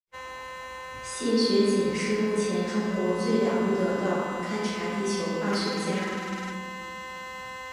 谢学锦是目前中国最了不得的勘察地球化学家。